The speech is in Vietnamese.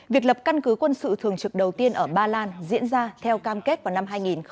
việc lập căn cứ quân sự thường trực đầu tiên ở ba lan diễn ra theo cam kết vào năm hai nghìn hai mươi